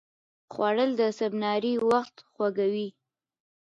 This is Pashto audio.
خوړل د سباناري وخت خوږوي